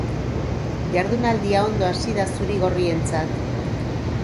Jardunaldia ondo hasi da zuri-gorrientzat.